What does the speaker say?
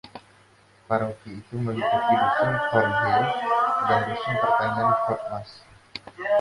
Paroki itu meliputi dusun Thornhill dan dusun pertanian Cotmarsh.